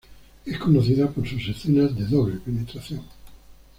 Es conocida por sus escenas de doble penetración.